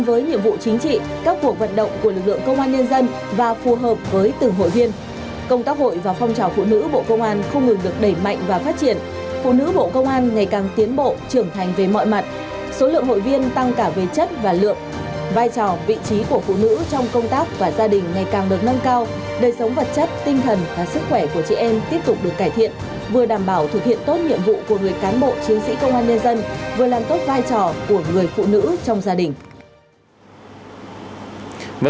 vừa đảm bảo thực hiện tốt nhiệm vụ của người cán bộ chiến sĩ công an nhân dân vừa làm tốt vai trò của người phụ nữ trong gia đình